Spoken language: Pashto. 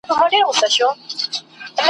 په زړو کفن کښانو پسي ژاړو !.